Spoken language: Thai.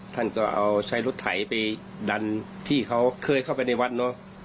ท่านก็เอาใช้รถไถไปดันที่เขาเคยเข้าไปในวัดเนอะ